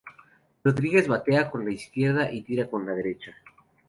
Rodríguez batea con la izquierda y tira con la derecha.